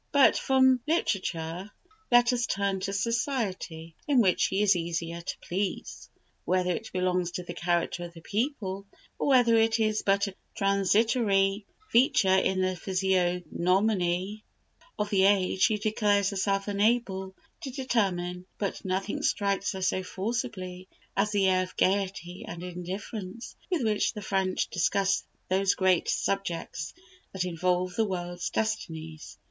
But from literature let us turn to society, in which she is easier to please. Whether it belongs to the character of the people, or whether it is but a transitory feature in the physiognomy of the age, she declares herself unable to determine; but nothing strikes her so forcibly as the air of gaiety and indifference with which the French discuss those great subjects that involve the world's destinies.